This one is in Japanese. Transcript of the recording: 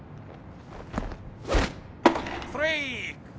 ストライク。